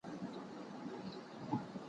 خړي وریځي پر اسمان باندي خپرې وې